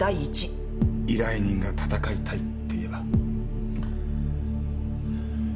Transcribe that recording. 依頼人が闘いたいって言えば？